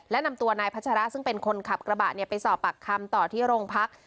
และนำตัวนายพัชระซึ่งเป็นคนขับกระบะไปสอบปากคำต่อที่โรงพัก